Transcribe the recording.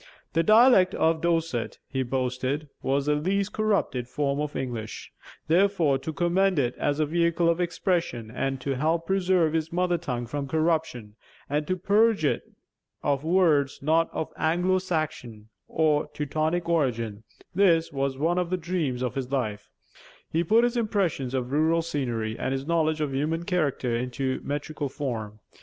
The dialect of Dorset, he boasted, was the least corrupted form of English; therefore to commend it as a vehicle of expression and to help preserve his mother tongue from corruption, and to purge it of words not of Anglo Saxon or Teutonic origin, this was one of the dreams of his life, he put his impressions of rural scenery and his knowledge of human character into metrical form.